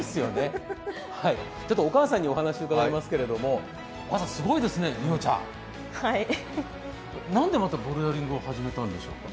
ちょっとお母さんにお話を伺いますけれどもなんでまたボルダリングを始めたんでしょうか。